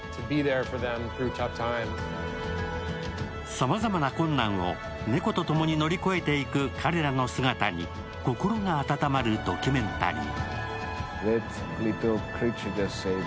さまざまな困難を猫とともに乗り越えていく彼らの姿に心が温まるドキュメンタリー。